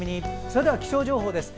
それでは気象情報です。